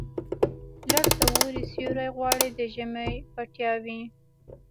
لټ د اوړي سیوري غواړي، د ژمي پیتاوي.